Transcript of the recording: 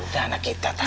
udah anak kita tau